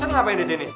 terus ngapain di sini